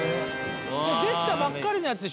できたばっかりのやつでしょ？